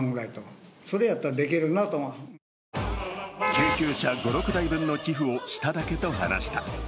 救急車５６台分の寄付をしただけと話した。